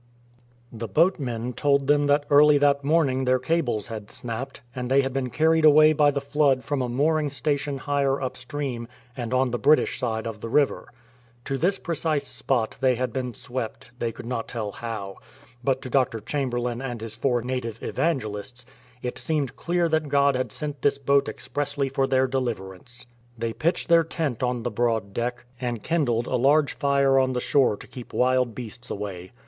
The boatmen told them that early that morning their cables had snapped, and they had been carried away by the flood from a mooring station higher upstream and on the British side of the river. To this precise spot they had been swept, they could not tell how. But to Dr. Chamberlain and his four native evangelists it seemed clear that God had sent this boat expressly for their deliverance. They pitched their tent on the broad deck, 45 A FLOOD ON THE GODAVERY and kindled a large fire on the shore to keep wild beasts away.